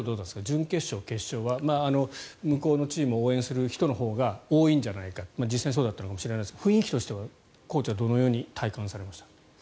準決勝、決勝は向こうのチームを応援する人のほうが多いんじゃないか実際にそうだったのかもしれませんが雰囲気としてはコーチはどのように感じられましたか。